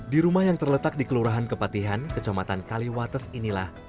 di rumah yang terletak di kelurahan kepatihan kecamatan kaliwates inilah